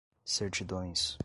certidões